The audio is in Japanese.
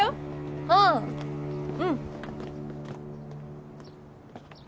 あっうん。